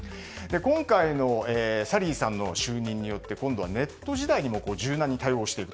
今回のサリーさんの就任で今度はネット時代にも柔軟に対応していく。